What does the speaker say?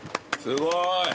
すごい！